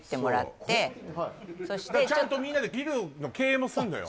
ちゃんとみんなでビルの経営もすんのよ